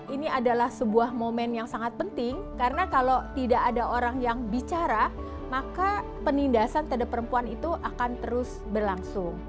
ini adalah sebuah momen yang sangat penting karena kalau tidak ada orang yang bicara maka penindasan terhadap perempuan itu akan terus berlangsung